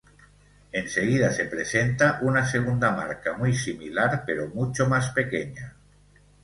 En seguida se presenta una segunda marca muy similar pero mucho más pequeña.